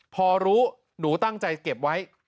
พอรู้หนูตั้งใจเก็บไว้